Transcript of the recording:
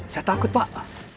saya takut pak